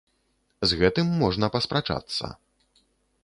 З гэтым можна паспрачацца.